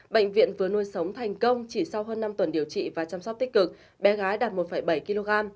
bệnh viện vừa nuôi sống thành công chỉ sau hơn năm tuần điều trị và chăm sóc tích cực bé gái đạt một bảy kg